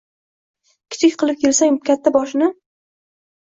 Kichik qilib kelsang katta boshingni